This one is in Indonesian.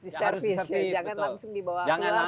di servis jangan langsung dibawa keluar